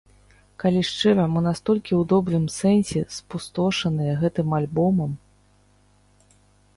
Калі шчыра, мы настолькі ў добрым сэнсе спустошаныя гэтым альбомам!